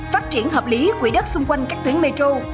phát triển hợp lý quỹ đất xung quanh các tuyến metro